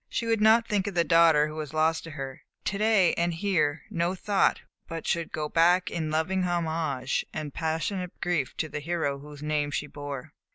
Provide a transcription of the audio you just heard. She would not think of the daughter who was lost to her; to day and here no thought but should go back in loving homage and passionate grief to the hero whose name she bore.